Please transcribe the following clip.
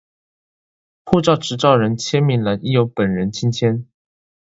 護照持照人簽名欄應由本人親簽